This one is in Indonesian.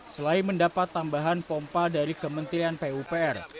selain mendapat tambahan pompa dari kementerian pupr